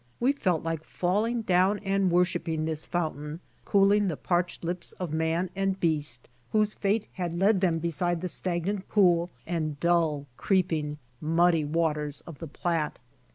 We felt like falling down and worshipping this foun tain, cooling the parched lips of man and beast wbose fate had led them beside the stagnant pool and dull, creeping, muddy waters of the Platte.